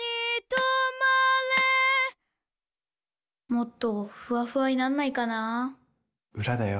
もっとフワフワになんないかなぁ裏だよ。